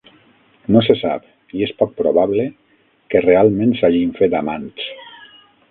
No se sap, i és poc probable, que realment s'hagin fet amants.